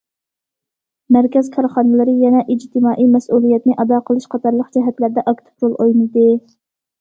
مەركەز كارخانىلىرى يەنە ئىجتىمائىي مەسئۇلىيەتنى ئادا قىلىش قاتارلىق جەھەتلەردە ئاكتىپ رول ئوينىدى.